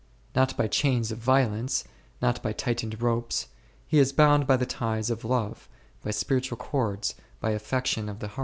Not by chains of violence, not by tightened ropes ; He is bound by the ties of love, by spiritual cords, by affection of the heart.